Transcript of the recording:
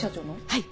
はい。